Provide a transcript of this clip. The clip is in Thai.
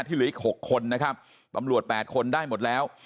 ที่เหลืออีกหกคนนะครับอำรวจแปดคนได้หมดแล้ว